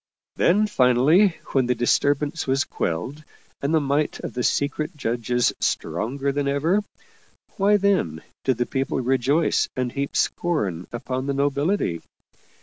Then, finally, when the disturbance was quelled and the might of the secret judges stronger than ever, why then did the people rejoice and heap scorn upon the nobility?